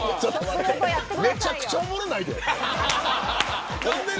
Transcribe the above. めちゃくちゃおもろないで。